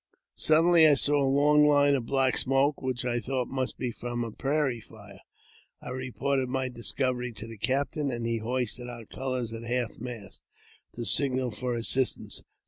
Suddenly I saw a long line of black smoke, which I thought must be from a prairie fire. I reported my discovery to the captain, and he hoisted our colours at half mast, to signal for assistance.